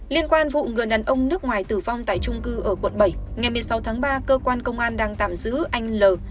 liên quan vụ người đàn ông nước ngoài tử vong tại trung cư ở quận bảy ngày một mươi sáu tháng ba cơ quan công an đang tạm giữ anh l